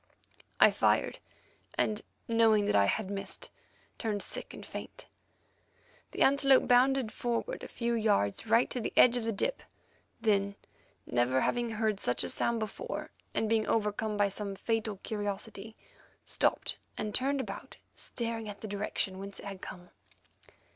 I fired, and knowing that I had missed, turned sick and faint. The antelope bounded forward a few yards right to the edge of the dip; then, never having heard such a sound before, and being overcome by some fatal curiosity, stopped and turned around, staring at the direction whence it had come.